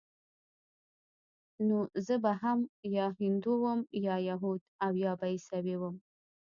نو زه به هم يا هندو وم يا يهود او يا به عيسوى وم.